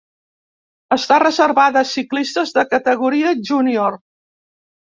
Està reservada a ciclistes de categoria júnior.